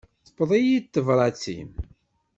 Tewweḍ-iyi-d tebrat-im.